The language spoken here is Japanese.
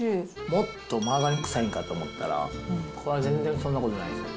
もっとマーガリンくさいんかと思ったら、これは全然そんなことないですね。